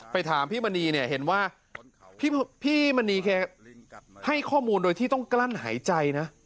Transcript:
ถามพี่มณีเนี่ยเห็นว่าพี่มณีแกให้ข้อมูลโดยที่ต้องกลั้นหายใจนะ